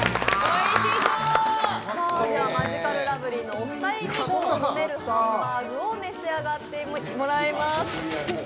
ではマヂカルラブリーのお二人に飲めるハンバーグを召し上がっていただきます。